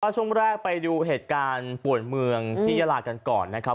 ช่วงแรกไปดูเหตุการณ์ป่วนเมืองที่ยาลากันก่อนนะครับ